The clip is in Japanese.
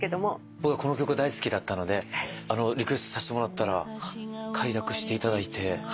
僕はこの曲大好きだったのでリクエストさせてもらったら快諾していただいて。